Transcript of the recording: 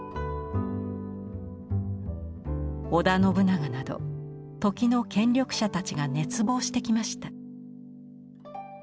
織田信長など時の権力者たちが熱望してきました。